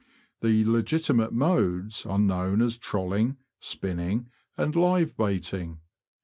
The legitimate modes are known as trolling, spinning, and live baiting.